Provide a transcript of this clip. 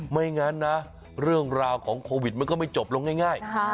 ไม่งั้นนะเรื่องราวของโควิดมันก็ไม่จบลงง่าย